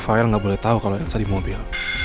rafael gak boleh tau kalo elsa di mobil